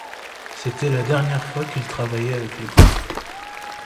C'était la dernière fois qu'il travaillait avec le groupe.